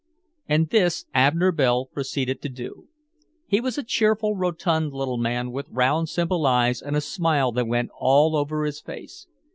And this Abner Bell proceeded to do. He was a cheerful, rotund little man with round simple eyes and a smile that went all over his face.